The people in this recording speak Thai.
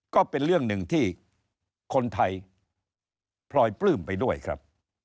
ก็เป็นเรื่องหนึ่งที่คนไทยพลอยปลื้มไปด้วยครับ